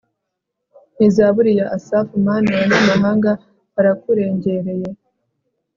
ni zaburi ya asafu. mana, abanyamahanga barakurengereye